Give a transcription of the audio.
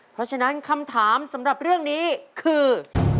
เพราะฉะนั้นคำถามสำหรับเรื่องนี้คือ